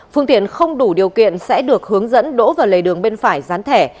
phương tiện không đủ điều kiện sẽ được hướng dẫn đỗ vào lề đường bên phải dán thẻ